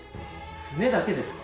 スネだけですか？